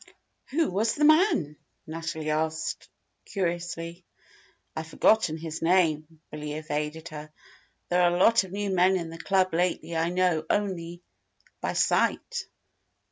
"Who was the man?" Natalie asked, curiously. "I've forgotten his name," Billy evaded her. "There are a lot of new men in the club lately I know only by sight."